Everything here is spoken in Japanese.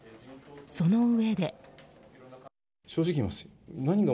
そのうえで。